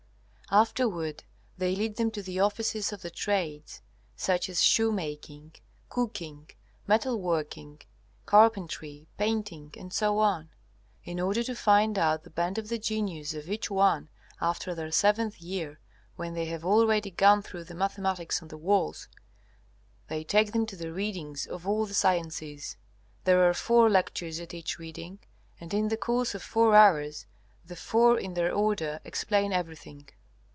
Afterward they lead them to the offices of the trades, such as shoemaking, cooking, metal working, carpentry, painting, etc. In order to find out the bent of the genius of each one, after their seventh year, when they have already gone through the mathematics on the walls, they take them to the readings of all the sciences; there are four lectures at each reading, and in the course of four hours the four in their order explain everything.